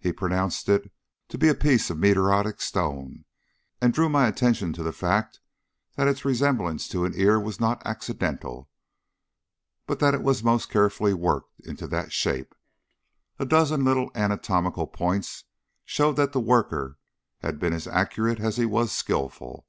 He pronounced it to be a piece of meteoric stone, and drew my attention to the fact that its resemblance to an ear was not accidental, but that it was most carefully worked into that shape. A dozen little anatomical points showed that the worker had been as accurate as he was skilful.